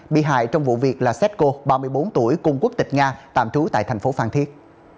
bị hại trong vụ việc là setco ba mươi bốn tuổi cùng quốc tịch nga tạm trú tại thành phố phan thiết